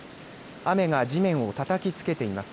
雨が地面をたたきつけています。